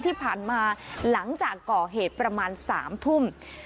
ที่ผ่านมาหลังจากก่อเหตุประมาณ๓ทุ่ม